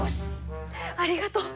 ありがとう！